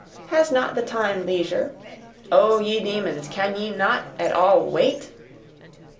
Has not the time leisure? Oh, ye demons, can ye not at all WAIT?